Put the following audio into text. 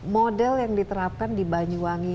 model yang diterapkan di banyuwangi